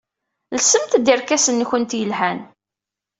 Lsemt-d irkasen-nwent yelhan.